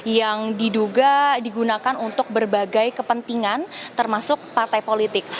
yang diduga digunakan untuk berbagai kepentingan termasuk partai politik